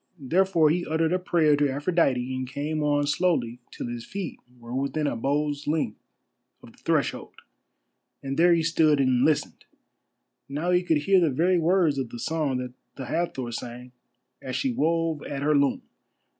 Therefore he uttered a prayer to Aphrodite and came on slowly till his feet were within a bow's length of the threshold, and there he stood and listened. Now he could hear the very words of the song that the Hathor sang as she wove at her loom.